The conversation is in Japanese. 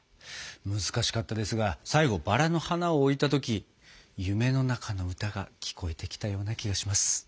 難しかったですが最後バラの花を置いた時「夢の中の歌」が聞こえてきたような気がします。